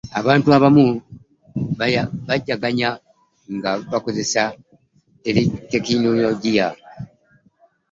abantu abamu banyagana nga bakozesa tekinologiya